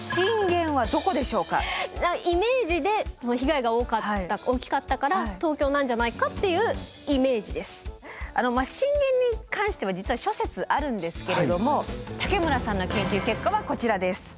イメージで被害が大きかったから震源に関しては実は諸説あるんですけれども武村さんの研究結果はこちらです。